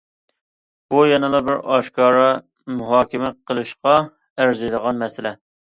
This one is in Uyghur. بۇ يەنىلا بىر ئاشكارا مۇھاكىمە قىلىشقا ئەرزىيدىغان مەسىلە.